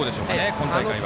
今大会は。